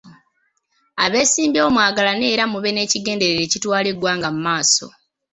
Abeesimbyewo mwagalane era mube n'ekigendererwa ekitwala eggwanga mu maaso.